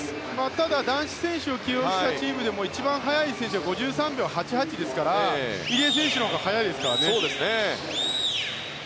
ただ、男子選手を起用したチームでも一番速い選手は５３秒８８ですから入江選手のほうが速いですからね。